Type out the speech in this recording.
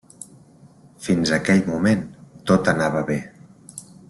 Fins aquell moment tot anava bé.